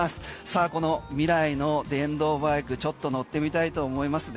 この未来の電動バイクちょっと乗ってみたいと思いますね。